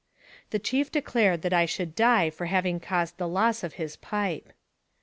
The chief declared that I should die for having caused the loss of his pipe.